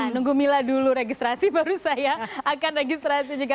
nunggu mila dulu registrasi baru saya akan registrasi juga